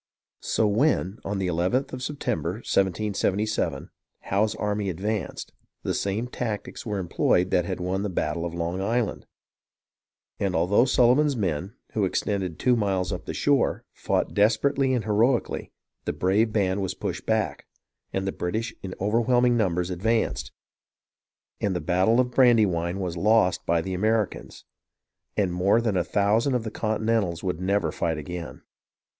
So when, on the nth of September, 1777, Howe's army advanced, the same tactics were employed that had won the battle of Long Island ; and although Sullivan's men, who extended two miles up the shore, fought desperately and heroically, the brave band was pushed back, the Brit ish in overwhelming numbers advanced, and the battle of Brandywine was lost by the Americans ; and more than a thousand of the Continentals would never fight again.